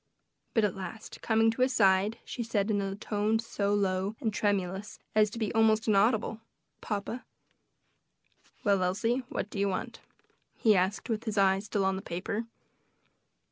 But at last, coming to his side, she said, in a tone so low and tremulous as to be almost inaudible, "Papa." "Well, Elsie, what do you want?" he asked, with his eyes still on the paper.